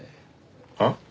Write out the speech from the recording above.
はっ？